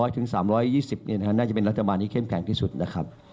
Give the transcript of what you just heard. ถึง๓๒๐น่าจะเป็นรัฐบาลที่เข้มแข็งที่สุดนะครับ